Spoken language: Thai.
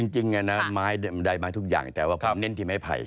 จริงนะไม้ได้ไม้ทุกอย่างแต่ว่าผมเน้นที่ไม้ไผ่